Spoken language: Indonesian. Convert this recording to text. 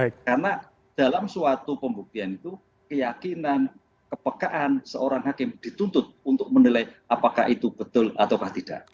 karena dalam suatu pembuktian itu keyakinan kepekaan seorang hakim dituntut untuk menilai apakah itu betul atau tidak